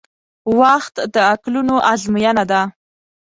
• وخت د عقلونو ازموینه ده.